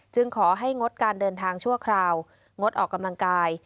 ขอให้งดการเดินทางชั่วคราวงดออกกำลังกาย